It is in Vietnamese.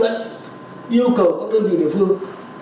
chúng tôi đã yêu cầu các đơn vị địa phương